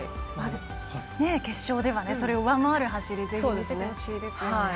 決勝では、それを上回る走りをぜひ見せてほしいですね。